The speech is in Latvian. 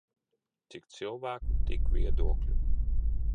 Cik cilvēku tik viedokļu.